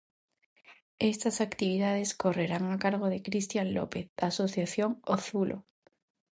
Estas actividades correrán a cargo de Christian López, da asociación O Zulo.